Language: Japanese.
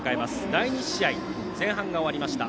第２試合の前半が終わりました。